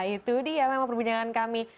itu dia memang perbincangan kami